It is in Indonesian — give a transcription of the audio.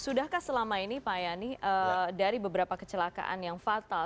sudahkah selama ini pak yani dari beberapa kecelakaan yang fatal